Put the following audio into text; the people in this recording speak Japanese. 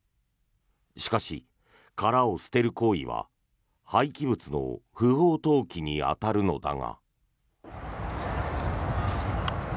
しかし、殻を捨てる行為は廃棄物の不法投棄に当たるのだが。